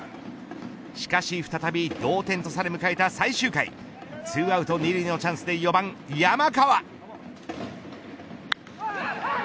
しかし再び同点とされ迎えた最終回２アウト２塁のチャンスで４番山川。